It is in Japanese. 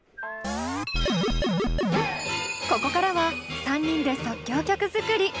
ここからは３人で即興曲作り。